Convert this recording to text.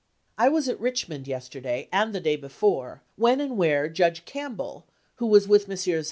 I was at Richmond yesterday and the day before, when and where Judge Campbell, who was with Messrs.